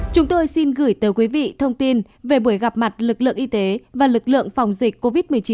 chúng tôi xin gửi tới quý vị thông tin về buổi gặp mặt lực lượng y tế và lực lượng phòng dịch covid một mươi chín